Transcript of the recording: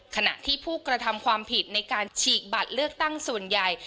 ขณะที่ผู้กระทำความผิดในการฉีกบัตรเลือกตั้งส่วนใหญ่